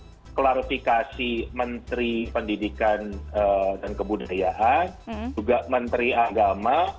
jadi dari aplikasi menteri pendidikan dan kebudayaan juga menteri agama